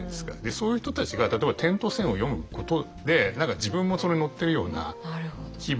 そういう人たちが例えば「点と線」を読むことで何か自分もそれ乗ってるような気分になれる。